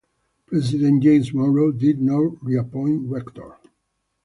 President James Monroe did not reappoint Rector.